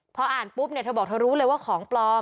พออ่านปุ๊บเธอบอกว่าเธอรู้เลยว่าของปลอม